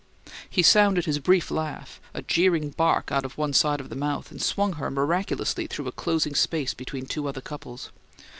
He sounded his brief laugh, a jeering bark out of one side of the mouth, and swung her miraculously through a closing space between two other couples.